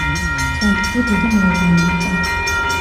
ცენტრში დიდი მოედანი იყო.